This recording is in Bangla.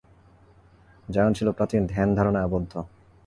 জায়ন ছিল প্রাচীন ধ্যানধারণায় আবদ্ধ!